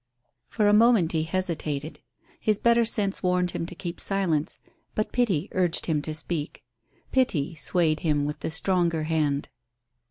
For a moment he hesitated. His better sense warned him to keep silence, but pity urged him to speak. Pity swayed him with the stronger hand.